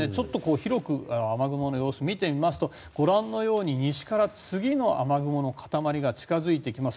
広く雨雲の様子を見てみますと西から次の雨雲の塊が近づいてきます。